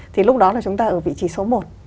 thì lúc đó là chúng ta ở vị trí số một